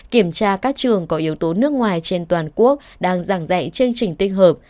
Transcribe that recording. kiểm tra các trường có yếu tố nước ngoài trên toàn quốc đang giảng dạy chương trình tinh hợp